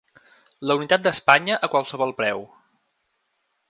La unitat d’Espanya a qualsevol preu.